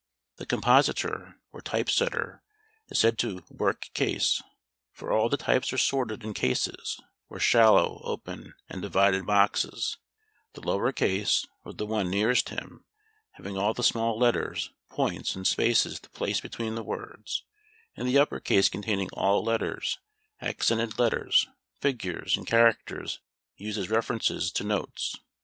The "compositor" or "type setter," is said to "work at case;" for all the types are sorted in "cases," or shallow, open and divided boxes; the lower case, or the one nearest him, having all the small letters, points, and spaces to place between the words, and the upper case containing all capitals, accented letters, figures, and characters used as references to notes.